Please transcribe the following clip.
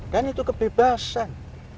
dan itu kebebasan